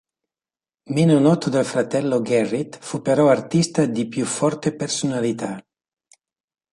Meno noto del fratello Gerrit, fu però artista di più forte personalità.